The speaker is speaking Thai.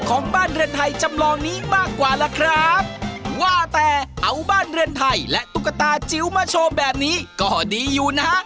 ของบ้านเรือนไทยจำลองนี้มากกว่าล่ะครับว่าแต่เอาบ้านเรือนไทยและตุ๊กตาจิ๋วมาโชว์แบบนี้ก็ดีอยู่นะฮะ